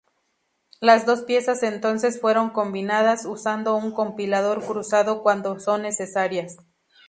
Las dos piezas entonces fueron combinadas, usando un compilador cruzado cuando son necesarias.